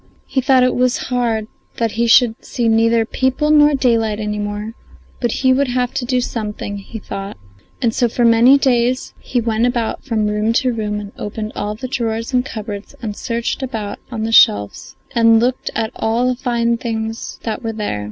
He thought it was hard that he should see neither people nor daylight any more; but he would have to do something, he thought, and so for many days he went about from room to room and opened all the drawers and cupboards and searched about on the shelves and looked at all the fine things that were there.